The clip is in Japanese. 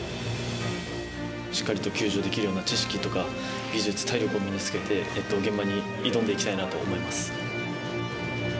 しっかりと救助できるような知識とか、技術、体力を身につけて、現場に挑んでいきたいなと思います。